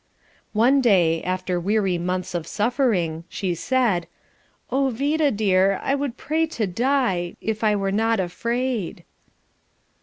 One day, after weary months of suffering, she said: "O Vida dear, I would pray to die, if I were not afraid."